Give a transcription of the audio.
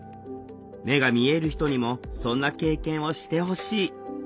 目が見える人にもそんな経験をしてほしい。